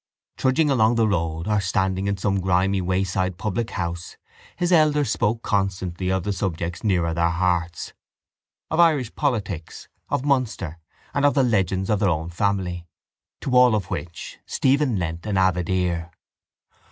Trudging along the road or standing in some grimy wayside public house his elders spoke constantly of the subjects nearer their hearts, of Irish politics, of Munster and of the legends of their own family, to all of which Stephen lent an avid ear.